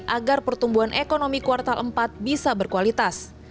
agar pertumbuhan ekonomi kuartal empat bisa berkualitas